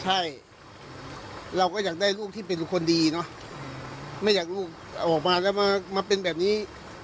ใช่เราก็อยากได้ลูกที่เป็นคนดีเนอะไม่อยากลูกเอาออกมาแล้วมาเป็นแบบนี้